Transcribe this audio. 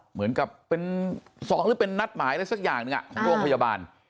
เหมือนกับเป็น๒หรือเป็นนัดหมายอะไรสักอย่างหนึ่งของโรงพยาบาล